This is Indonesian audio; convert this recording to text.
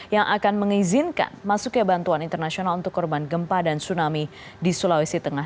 yang akan mengizinkan masuknya bantuan internasional untuk korban gempa dan tsunami di sulawesi tengah